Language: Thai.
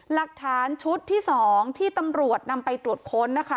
หลักฐานชุดที่๒ที่ตำรวจนำไปตรวจค้นนะคะ